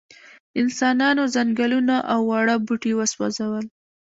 انسانانو ځنګلونه او واړه بوټي وسوځول.